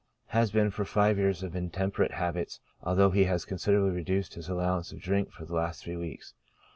Has been for five years of intemperate habits, although he has considerably reduced his allowance of drink for the last three weeks.